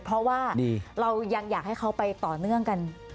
เพราะว่าเรายังอยากให้เขาไปต่อเนื่องกัน